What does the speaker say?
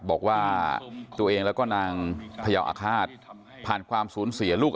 บอกว่าตัวเองแล้วก็นางพยาวอาฆาตผ่านความสูญเสียลูก